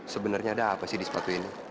sebenarnya ada apa sih di sepatu ini